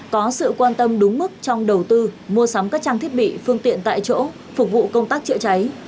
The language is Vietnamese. có sự quan tâm đúng mức trong đầu tư mua sắm các trang thiết bị phương tiện tại chỗ phục vụ công tác chữa cháy